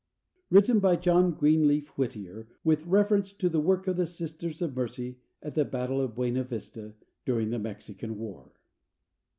(Written by John Greenleaf Whittier with reference to the work of the Sisters of Mercy at the battle of Buena Vista, during the Mexican war.)